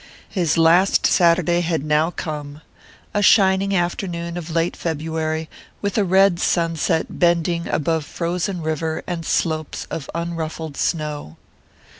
His last Saturday had now come: a shining afternoon of late February, with a red sunset bending above frozen river and slopes of unruffled snow.